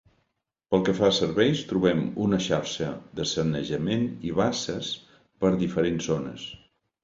Pel que fa a serveis trobem una xarxa de sanejament i basses per diferents zones.